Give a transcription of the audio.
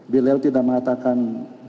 bila tidak mengatakan